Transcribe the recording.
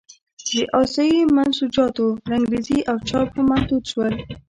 د اسیايي منسوجاتو رنګرېزي او چاپ هم محدود شول.